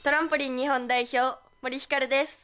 日本代表、森ひかるです。